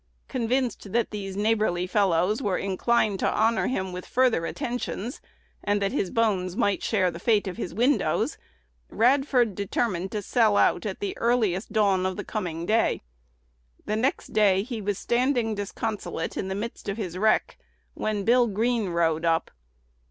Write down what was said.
Convinced that these neighborly fellows were inclined to honor him with further attentions, and that his bones might share the fate of his windows, Radford determined to sell out with the earliest dawn of the coming day. The next day he was standing disconsolate in the midst of his wreck, when Bill Green rode up.